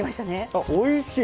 あおいしい！